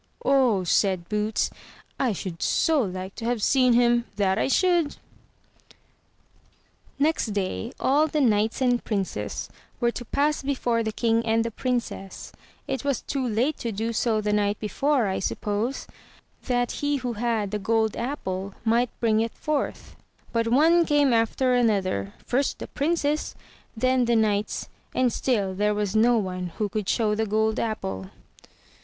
"Oh!" said Boots, "I should so like to have seen him; that I should." Next day all the knights and princes were to pass before the king and the Princess — it was too late to do so the night before, I suppose — that he who had the gold apple might bring it forth; but one came after another, first the princes, and then 62 THROUGH FAIRY HALLS the knights, and still there was no one who could show the "gold apple.